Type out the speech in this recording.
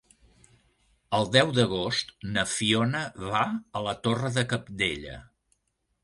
El deu d'agost na Fiona va a la Torre de Cabdella.